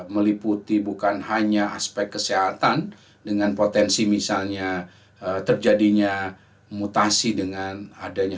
meliputi bukan hanya aspek kesehatan dengan potensi misalnya terjadinya mutasi dengan adanya